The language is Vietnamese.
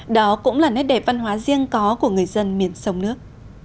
đó cũng là nét đẹp văn hóa riêng có của người dân miền sông nước